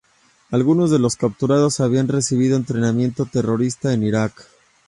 Algunos de los capturados habían recibido entrenamiento terrorista en Iraq.